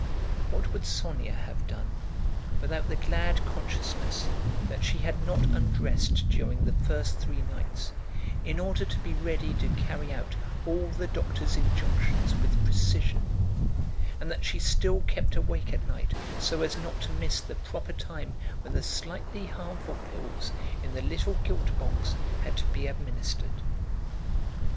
What would Sónya have done without the glad consciousness that she had not undressed during the first three nights, in order to be ready to carry out all the doctor's injunctions with precision, and that she still kept awake at night so as not to miss the proper time when the slightly harmful pills in the little gilt box had to be administered?